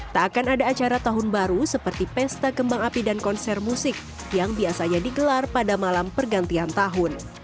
tak akan ada acara tahun baru seperti pesta kembang api dan konser musik yang biasanya digelar pada malam pergantian tahun